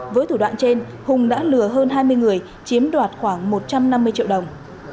với thủ đoạn trên hùng đã lừa hơn hai mươi người chiếm đoạt khoảng một trăm năm mươi triệu đồng